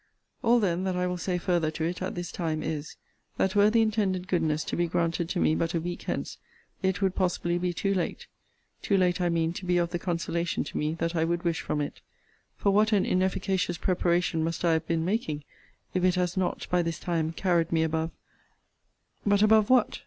All then that I will say further to it, at this time, is, that were the intended goodness to be granted to me but a week hence, it would possibly be too late too late I mean to be of the consolation to me that I would wish from it: for what an inefficacious preparation must I have been making, if it has not, by this time, carried me above But above what?